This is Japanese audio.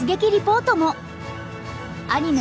アニメ